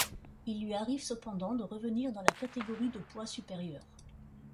Il lui arrive cependant de revenir dans la catégorie de poids supérieure.